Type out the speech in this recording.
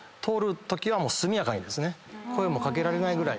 声も掛けられないぐらい。